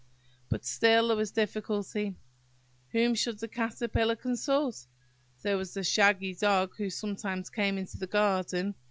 But still there was a difficulty–whom should the Caterpillar consult? There was the shaggy Dog who sometimes came into the garden.